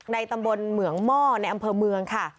ในตำรวจเมืองม่อในอำเภอเมืองค่ะ